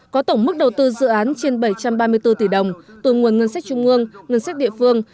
có tổng mức đầu tư dự án trên bảy trăm ba mươi bốn tỷ đồng từ nguồn ngân sách trung ương ngân sách địa phương